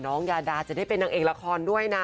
ยาดาจะได้เป็นนางเอกละครด้วยนะ